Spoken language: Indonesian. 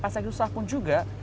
pas lagi susah pun juga